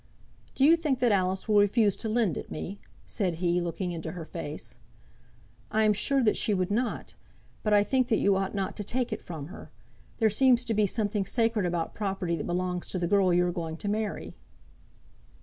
"Do you think that Alice will refuse to lend it me?" said he, looking into her face. "I am sure that she would not, but I think that you ought not to take it from her. There seems to me to be something sacred about property that belongs to the girl you are going to marry."